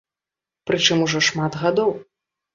Прычым, ужо шмат гадоў.